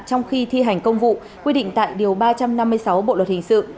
trong khi thi hành công vụ quy định tại điều ba trăm năm mươi sáu bộ luật hình sự